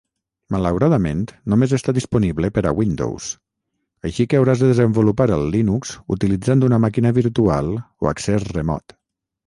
Malauradament, només està disponible per a Windows, així que hauràs de desenvolupar el Linux utilitzant una màquina virtual o accés remot.